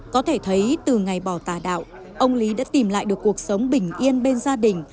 có thể thấy từ ngày bỏ tà đạo ông lý đã tìm lại được cuộc sống bình yên bên gia đình